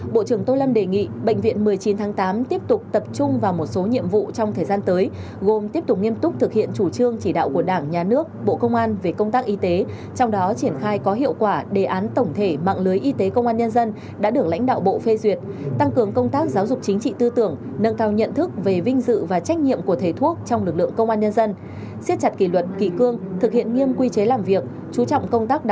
bộ trưởng tô lâm đề nghị bệnh viện một mươi chín tháng tám tiếp tục tập trung vào một số nhiệm vụ trong thời gian tới gồm tiếp tục nghiêm túc thực hiện chủ trương chỉ đạo của đảng nhà nước bộ công an về công tác y tế trong đó triển khai có hiệu quả đề án tổng thể mạng lưới y tế công an nhân dân đã được lãnh đạo bộ phê duyệt tăng cường công tác giáo dục chính trị tư tưởng nâng cao nhận thức về vinh dự và trách nhiệm của thầy thuốc trong lực lượng công an nhân dân siết chặt kỷ luật kỳ cương thực hiện nghiêm quy chế làm việc chú trọng công tác đ